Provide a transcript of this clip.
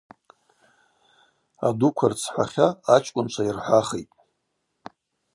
Адуква рцхӏвахьа ачкӏвынква йырхӏвахитӏ.